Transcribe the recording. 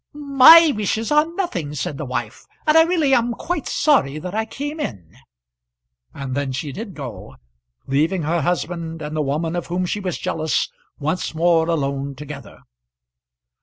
"My wishes are nothing," said the wife, "and I really am quite sorry that I came in." And then she did go, leaving her husband and the woman of whom she was jealous once more alone together.